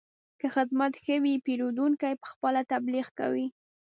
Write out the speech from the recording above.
که خدمت ښه وي، پیرودونکی پخپله تبلیغ کوي.